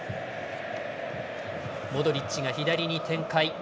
モドリッチが左に展開。